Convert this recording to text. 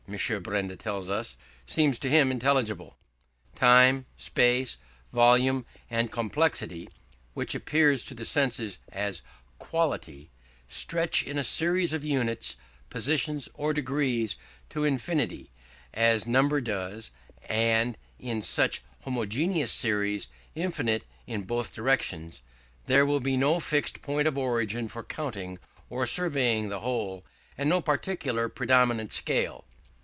Benda tells us, seems to him intelligible. Time, space, volume, and complexity (which appears to the senses as quality) stretch in a series of units, positions, or degrees, to infinity, as number does: and in such homogeneous series, infinite in both directions, there will be no fixed point of origin for counting or surveying the whole and no particular predominant scale.